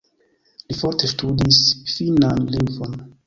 Li forte ŝtudis finnan lingvon.